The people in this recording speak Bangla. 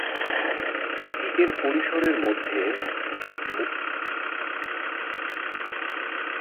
এটি এর পরিসরের মধ্য পশ্চিমের বাসিন্দা, তবে শীতল অঞ্চলগুলো থেকে স্থানান্তরিত হয়েছে।